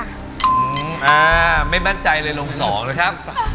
อ่าไม่มั่นใจเลยลง๒เลยครับ